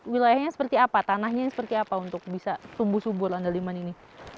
wilayahnya seperti apa tanahnya seperti apa untuk bisa tumbuh subur andaliman ini